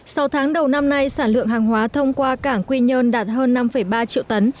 sau tháng đầu năm nay sản lượng hàng hóa thông qua cảng quy nhơn đạt hơn năm ba triệu tấn